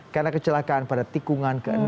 karena kecelakaan pada tikungan ke enam